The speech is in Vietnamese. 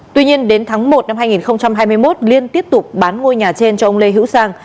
tuy nhiên đến tháng một năm hai nghìn hai mươi một liên tiếp tục bán ngôi nhà trên cho ông lê hữu sang